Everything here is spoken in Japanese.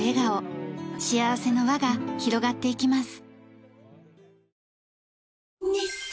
幸せの輪が広がっていきます。